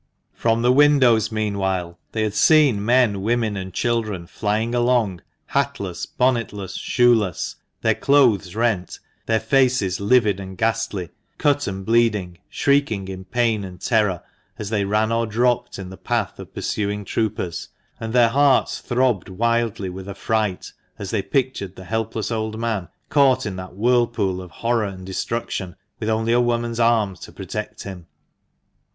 From the windows, meanwhile, they had seen men, women, and children flying along, hatless, bonnetless, shoeless, their 180 tHB MANCHESTER MAN. clothes rent, their faces livid and ghastly, cut and bleeding, shrieking in pain and terror as they ran or dropped in the path of pursuing troopers; and their hearts throbbed wildly with affright as they pictured the helpless old man caught in that whirlpool of horror and destruction, with only a woman's arm to protect him.